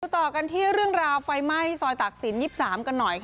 ต่อกันที่เรื่องราวไฟไหม้ซอยตักศิลป๒๓กันหน่อย